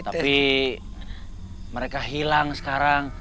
tapi mereka hilang sekarang